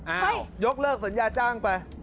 ยกเลิกสัญญาจ้างไป